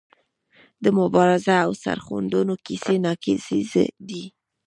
د مبارزو او سرښندنو کیسې ناکیسیزې دي.